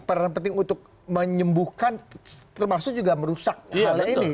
peran penting untuk menyembuhkan termasuk juga merusak hal ini